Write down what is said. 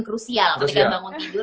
krusial ketika bangun tidur